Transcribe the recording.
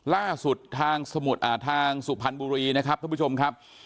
ล่าสุดทางสมุดอ่าทางสุพรรณบุรีนะครับท่านผู้ชมครับ